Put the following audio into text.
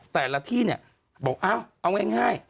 แต่ละที่บอกเอ้าเอาง่าย